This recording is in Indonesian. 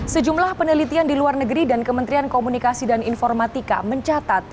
sejumlah penelitian di luar negeri dan kementerian komunikasi dan informatika mencatat